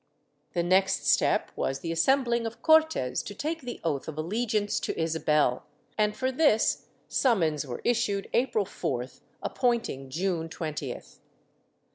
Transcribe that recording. ^ The next step was the assembling of Cortes to take the oath of allegiance to Isabel, and for this summons were issued April 4th appointing June 20th.